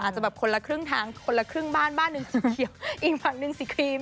อาจจะแบบคนละครึ่งทางคนละครึ่งบ้านบ้านหนึ่งสีเขียวอีกฝั่งหนึ่งสีครีม